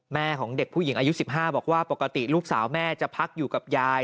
แม่ของเด็กผู้หญิงอายุ๑๕บอกว่าปกติลูกสาวแม่จะพักอยู่กับยาย